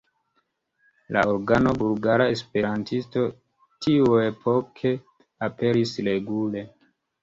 La organo "Bulgara Esperantisto" tiuepoke aperis regule.